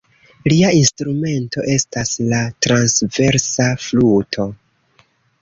Lia instrumento estas la transversa fluto.